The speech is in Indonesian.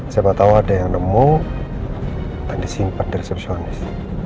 siapa tau ada yang nemu dan disimpan di resepsionis